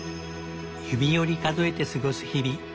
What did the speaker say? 指折り数えて過ごす日々。